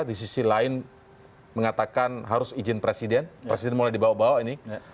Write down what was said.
di sisi lain mengatakan harus izin presiden presiden mulai dibawa bawa ini